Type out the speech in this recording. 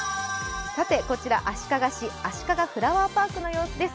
こちら足利市あしかがフラワーパークの様子です。